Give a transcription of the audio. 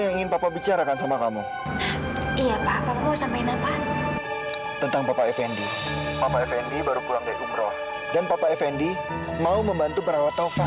aku bisa jelaskan semuanya mila